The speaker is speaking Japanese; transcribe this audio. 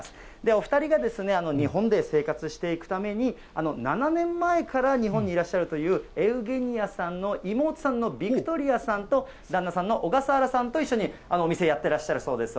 お２人が日本で生活していくために、７年前から日本にいらっしゃるという、エウゲニアさんの妹さんのヴィクトリアさんと旦那さんの小笠原さんと一緒にお店やってらっしゃるそうです。